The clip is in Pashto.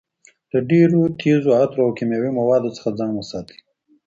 له ډېرو تېزو عطرو او کیمیاوي موادو څخه ځان وساتئ.